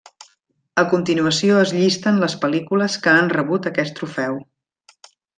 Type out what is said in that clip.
A continuació es llisten les pel·lícules que han rebut aquest trofeu.